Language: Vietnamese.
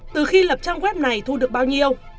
từ khi lập trang web này thu được bao nhiêu